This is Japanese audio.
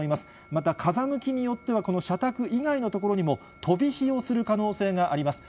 また、風向きによっては、この社宅以外の所にも、飛び火をする可能性があります。